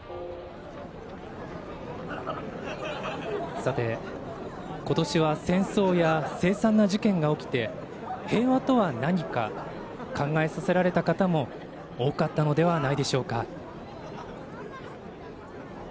さて、今年は戦争やせい惨な事件が起きて平和とは何か考えさせられた方も多かったのではないでしょうか。